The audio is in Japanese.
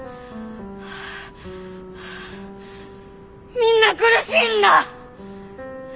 みんな苦しいんだ！